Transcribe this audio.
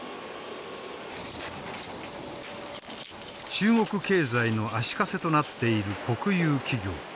中国経済の足かせとなっている国有企業。